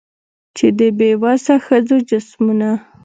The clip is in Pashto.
چي د بې وسه ښځو جسمونه